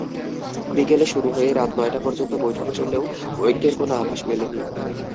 বিকেলে শুরু হয়ে রাত নয়টা পর্যন্ত বৈঠক চললেও ঐক্যের কোনো আভাস মেলেনি।